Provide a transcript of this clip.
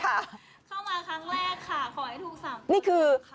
เข้ามาครั้งแรกค่ะขอให้ถูกสั่ง